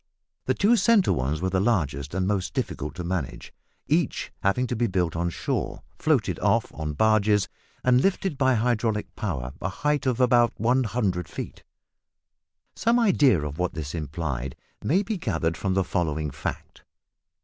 The two centre ones were the largest and most difficult to manage, each having to be built on shore, floated off on barges, and lifted by hydraulic power a height of about 100 feet. Some idea of what this implied may be gathered from the following fact.